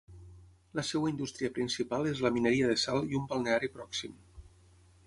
La seva indústria principal és la mineria de sal i un balneari pròxim.